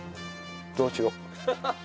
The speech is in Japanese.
どうしよう。